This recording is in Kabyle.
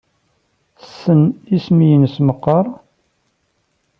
Tessen isem-nnes meqqar?